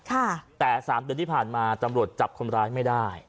แต่๓เดือนที่ผ่านมาตำรวจจับคนร้ายไม่ได้